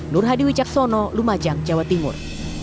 nur hadi wicaksono lumajang jawa timur